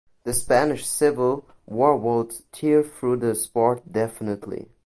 The Spanish Civil War would tear through the sport definitely.